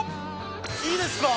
いいですか？